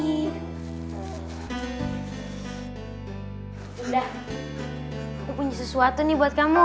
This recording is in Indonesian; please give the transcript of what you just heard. enggak aku punya sesuatu nih buat kamu